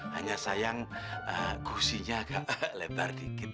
hanya sayang kursinya agak lebar dikit